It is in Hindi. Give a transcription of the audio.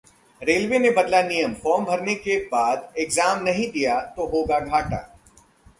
रेलवे ने बदला नियम, फॉर्म भरने के बाद एग्जाम नहीं दिया तो होगा घाटा